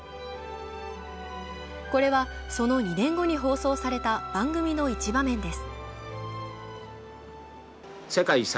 これは、その２年後に放送された番組の１場面です。